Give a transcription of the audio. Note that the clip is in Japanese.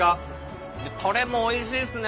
たれもおいしいっすね。